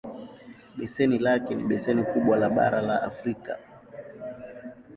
Beseni lake ni beseni kubwa le bara la Afrika.